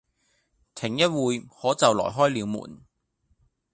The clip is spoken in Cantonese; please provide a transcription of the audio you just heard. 停一會，可就來開了門。